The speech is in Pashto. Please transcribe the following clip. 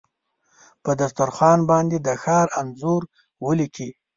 په دسترخوان باندې د ښار انځور ولیکې